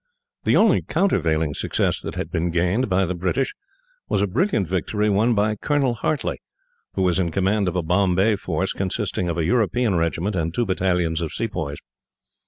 The only countervailing success that had been gained, by the British, was a brilliant victory won by Colonel Hartley, who was in command of a Bombay force, consisting of a European regiment and two battalions of Sepoys.